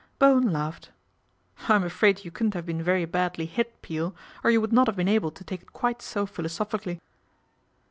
Bowen laughed. "J'm afraid you couldn't have been very badly hit, Peel, or you would not have been able to take it quite so philosophi cally."